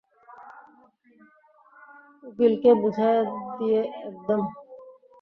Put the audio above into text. উকিল কে বুঝায়া দিসে একদম।